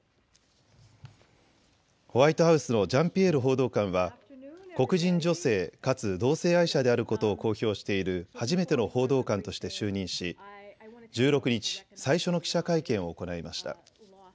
ホワイトハウスのジャンピエール報道官は黒人女性かつ同性愛者であることを公表している初めての報道官として就任し１６日、最初の記者会見を行いました。